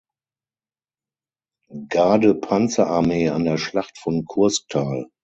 Gardepanzerarmee an der Schlacht von Kursk teil.